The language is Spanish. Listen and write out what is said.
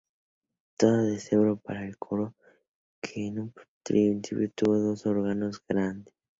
Toda de cedro, para el coro que en un principio tuvo dos órganos grandes.